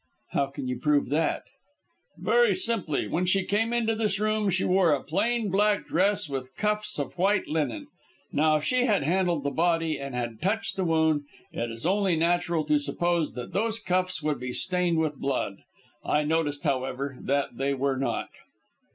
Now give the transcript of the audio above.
"How can you prove that?" "Very simply. When she came into this room she wore a plain black dress, with cuffs of white linen. Now, if she had handled the body and had touched the wound, it is only natural to suppose that those cuffs would be stained with blood. I noticed, however, that they were not."